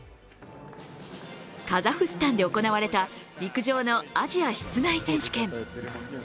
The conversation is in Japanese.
カザフスタンで行われた陸上のアジア室内選手権。